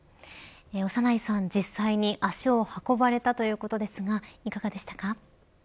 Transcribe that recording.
長内さん、実際に足を運ばれたということですがいかがでしたか。